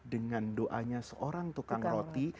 dengan doanya seorang tukang roti